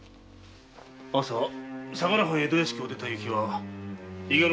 朝相良藩江戸屋敷を出た雪は伊賀守